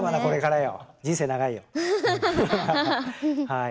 はい。